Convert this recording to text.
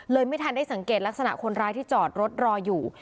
ไม่ทันได้สังเกตลักษณะคนร้ายที่จอดรถรออยู่